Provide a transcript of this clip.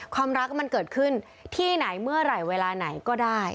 ความรักมันเกิดขึ้นที่ไหนเมื่อไหร่เวลาไหนก็ได้